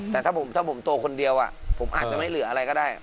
แต่ถ้าผมโตคนเดียวผมอาจจะไม่เหลืออะไรก็ได้